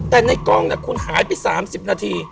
แต่ในกล้องคุณหายไป๓๐นาที